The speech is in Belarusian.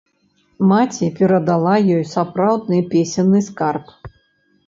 Маці перадала ёй сапраўдны песенны скарб.